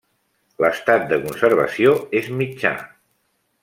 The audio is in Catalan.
L'estat de conservació és mitjà.